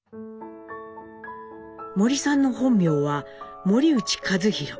森さんの本名は森内一寛。